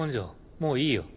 もういいよ。